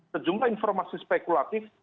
sejumlah informasi spekulatif